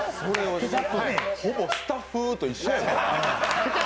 ほぼ「スタッフー！」と一緒やん。